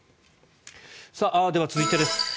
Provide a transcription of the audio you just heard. では、続いてです。